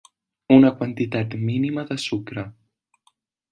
Una quantitat mínima de sucre.